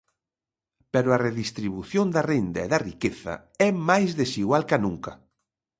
Pero a redistribución da renda e da riqueza é máis desigual ca nunca.